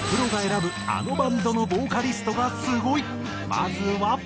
まずは。